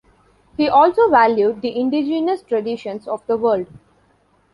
He also valued the indigenous traditions of the world.